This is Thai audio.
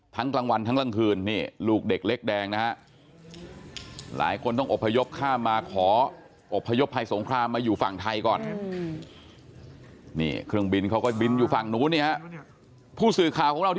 ทั้งกลางวันทั้งกลางคืนลูกเด็กเล็กแดงนะฮะหลายคนต้องอบพยพข้ามมาขออบพยพภัยสงครามมาอยู่ฝั่งไทยก่อน